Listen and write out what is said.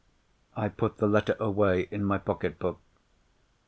I put the letter away in my pocket book.